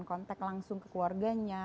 kontak langsung ke keluarganya